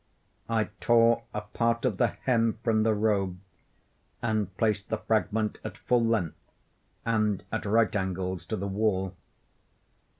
I tore a part of the hem from the robe and placed the fragment at full length, and at right angles to the wall.